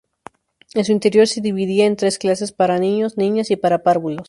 En su interior se dividía en tres clases, para niños, niñas y para párvulos.